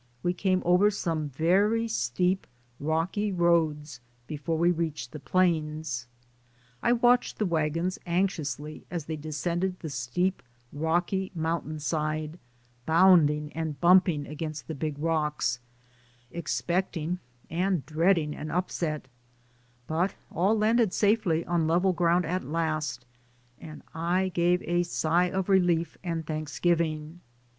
We came over some very steep, rocky roads before we reached the plains. I watched the wagons DAYS ON THE ROAD. 145 anxiously as they descended the steep, rocky mountain side, bounding and bumping against the big rocks, expecting and dread ing an upset, but all landed safely on level ground at last, and I gave a sigh of relief and thanksgiving.